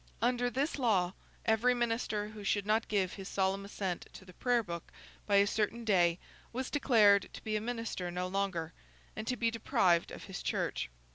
Under this law, every minister who should not give his solemn assent to the Prayer Book by a certain day, was declared to be a minister no longer, and to be deprived of his church.